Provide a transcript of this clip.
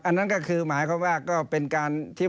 อันนั้นก็คือหมายความว่าก็เป็นการ